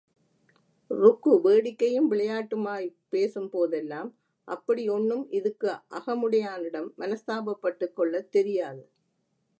ருக்கு வேடிக்கையும் விளையாட்டுமாய்ப் பேசும் போதெல்லாம், அப்படி ஓண்ணும் இதுக்கு அகமுடையானிடம் மனஸ்தாபப்பட்டுக் கொள்ளத் தெரியாது.